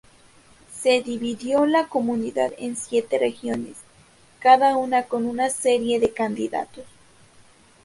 Se dividió la comunidad en siete regiones, cada una con una serie de candidatos.